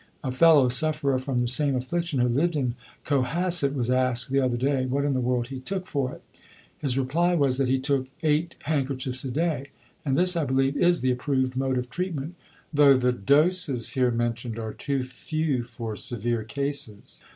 A fellow sufferer from the same affliction, who lived in Cohasset, was asked, the other day, what in the world he took for it? His reply was that he 'took eight handkerchiefs a day.' And this, I believe, is the approved mode of treatment; though the doses here mentioned are too few for severe cases.